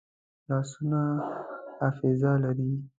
لاسونه حافظه لري